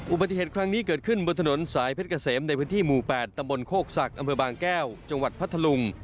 อุบัติเหตุครั้งนี้เกิดขึ้นบนถนนสายเพชรเกษมในพื้นที่หมู่๘ตำบลโคกศักดิ์อำเภอบางแก้วจังหวัดพัทธลุง